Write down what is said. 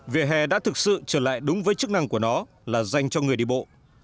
vỉa hè đã thực sự trở lại đúng với chức năng của nó là dành cho người đi bộ